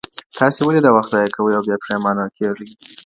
تاسي ولي وخت ضايع کوئ او بيا پښېمانه کېږئ؟